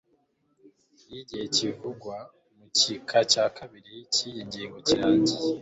iyo igihe kivugwa mu gika cya kabiri cy'iyi ngingo kirangiye